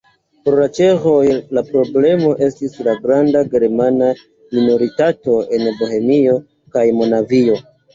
Por la ĉeĥoj la problemo estis la granda germana minoritato en Bohemio kaj Moravio.